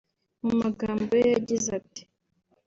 mu magambo ye yagize ati